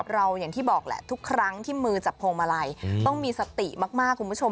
อย่างที่บอกแหละทุกครั้งที่มือจับพวงมาลัยต้องมีสติมากคุณผู้ชม